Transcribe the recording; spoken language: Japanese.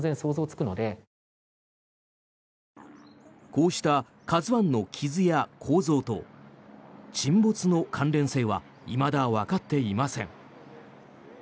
こうした「ＫＡＺＵ１」の傷や構造と沈没の関連性はいまだわかっていません。